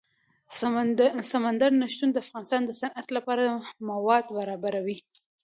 سمندر نه شتون د افغانستان د صنعت لپاره مواد برابروي.